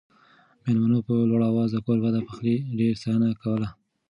مېلمنو په لوړ اواز د کوربه د پخلي ډېره ستاینه کوله.